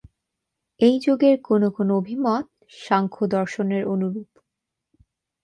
এই যোগের কোনো কোনো অভিমত সাংখ্য দর্শনের অনুরূপ।